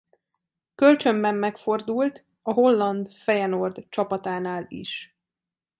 Kölcsönben megfordult a holland Feyenoord csapatánál is.